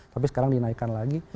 tapi sekarang dinaikkan lagi